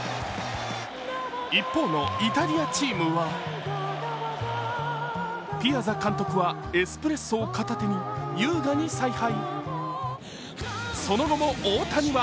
一方のイタリアチームはピアザ監督はエスプレッソを片手に優雅に采配。